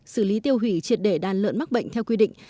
xử lý tiêu hủy triệt để đàn lợn mắc bệnh theo quy định